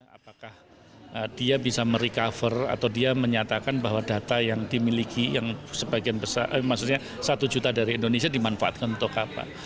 apakah dia bisa merecover atau dia menyatakan bahwa data yang dimiliki yang sebagian besar maksudnya satu juta dari indonesia dimanfaatkan untuk apa